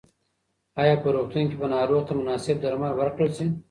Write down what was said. ایا په روغتون کې به ناروغ ته مناسب درمل ورکړل شي؟